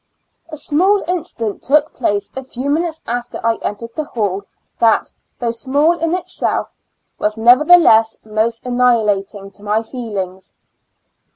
A small incident took place a few minutes after I entered the hall, that, though small in itself, was nevertheless most annihilating to my feelings.